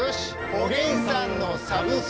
「おげんさんのサブスク堂」。